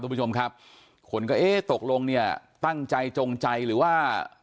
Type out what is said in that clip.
คุณผู้ชมครับคนก็เอ๊ะตกลงเนี่ยตั้งใจจงใจหรือว่า